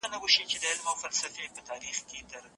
ايا سياستوال د پرېکړو پر مهال ټولنه په پام کي نيسي؟